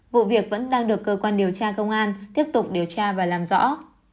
vụ việc vẫn đang được cơ quan điều tra công an tiếp tục điều tra và làm rõ